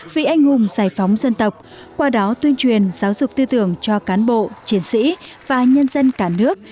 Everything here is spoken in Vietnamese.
vì anh hùng giải phóng dân tộc qua đó tuyên truyền giáo dục tư tưởng cho cán bộ chiến sĩ và nhân dân cả nước